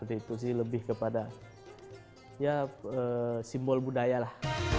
itu sih lebih kepada ya simbol budaya lah